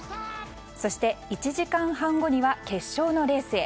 そして、１時間半後には決勝のレースへ。